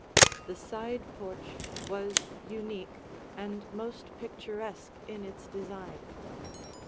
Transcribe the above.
The side porch was unique and most picturesque in its design.